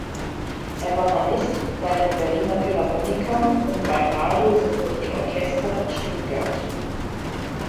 Er war Hornist bei den Berliner Philharmonikern und beim Radio-Sinfonieorchester Stuttgart.